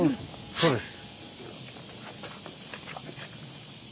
そうです。